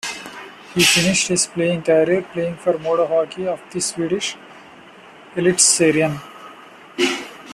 He finished his playing career playing for Modo Hockey of the Swedish Elitserien.